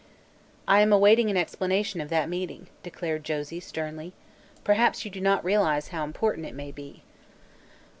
"I am awaiting an explanation of that meeting," declared Josie sternly. "Perhaps you do not realize how important it may be."